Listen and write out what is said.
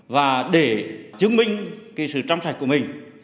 và để chứng minh sự trăm sạch của mình